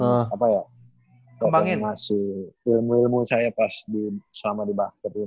kebangin masih ilmu ilmu saya pas selama di basket ini